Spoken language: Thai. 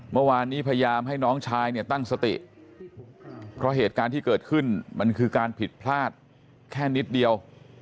พยายามให้น้องชายเนี่ยตั้งสติเพราะเหตุการณ์ที่เกิดขึ้นมันคือการผิดพลาดแค่นิดเดียว